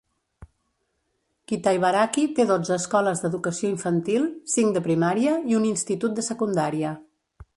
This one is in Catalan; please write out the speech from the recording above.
Kitaibaraki té dotze escoles d'educació infantil, cinc de primària i un institut de secundària.